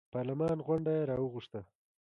پارلمان غونډه یې راوغوښته.